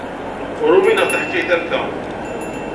Ur umineɣ taḥkayt am ta.